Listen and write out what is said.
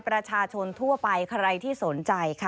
ประชาชนทั่วไปใครที่สนใจค่ะ